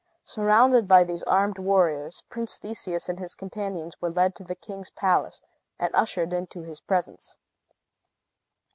Surrounded by these armed warriors, Prince Theseus and his companions were led to the king's palace, and ushered into his presence.